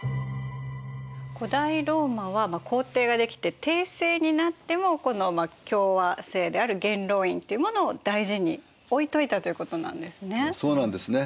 古代ローマは皇帝が出来て帝政になってもこの共和政である元老院というものを大事に置いといたということなんですね。